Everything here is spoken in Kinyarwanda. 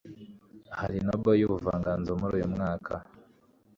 hari Nobel y'ubuvanganzo muri uyu mwaka?